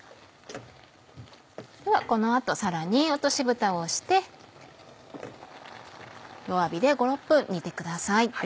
この後さらに落としぶたをして弱火で５６分煮てください。